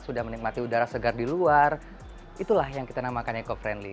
sudah menikmati udara segar di luar itulah yang kita namakan eco friendly